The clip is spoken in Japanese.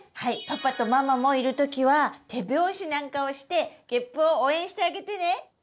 パパとママもいる時は手拍子なんかをしてげっぷを応援してあげてね！